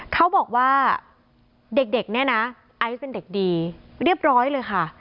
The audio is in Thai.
เขาบอกว่าเด็กเนี่ยนะไอซ์เป็นเด็กดีเรียบร้อยเลยค่ะ